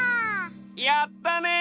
やったね！